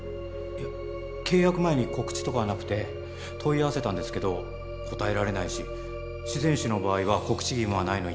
いや契約前に告知とかはなくて問い合わせたんですけど答えられないし自然死の場合は告知義務はないの一点張りで。